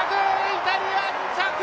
イタリア２着！